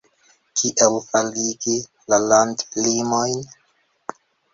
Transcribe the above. Kiel faligi la landlimojn?